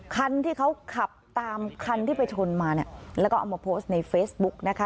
คันที่เขาขับตามคันที่ไปชนมาเนี่ยแล้วก็เอามาโพสต์ในเฟซบุ๊กนะคะ